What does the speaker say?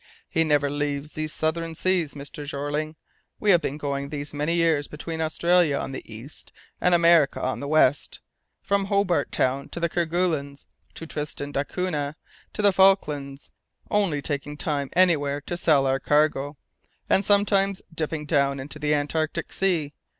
He never leaves these southern seas, Mr. Jeorling; we have been going these many years between Australia on the east and America on the west; from Hobart Town to the Kerguelens, to Tristan d'Acunha, to the Falklands, only taking time anywhere to sell our cargo, and sometimes dipping down into the Antarctic Sea.